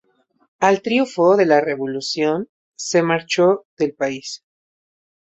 Al triunfo de la Revolución se marchó del país.